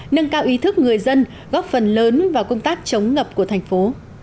nâng cao ý thức người dân góp phần lớn vào công tác chống ngập của thành phố